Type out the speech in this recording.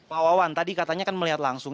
pak wawan tadi katanya kan melihat langsung